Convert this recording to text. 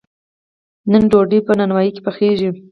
نن ډوډۍ په نانواییو کې پخیږي.